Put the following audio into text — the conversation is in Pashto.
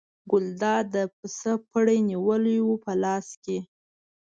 ګلداد د پسه پړی نیولی و په لاس کې.